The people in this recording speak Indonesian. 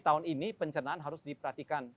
tahun ini pencernaan harus diperhatikan